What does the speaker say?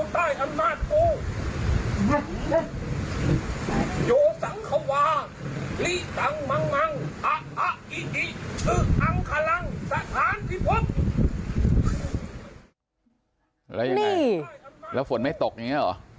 แล้วนี่ฝนแล้วฝนไม่ตกอย่างนี้เหรอ